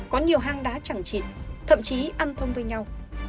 có nhiều hang đá chẳng chịt thậm chí ăn thông với nhau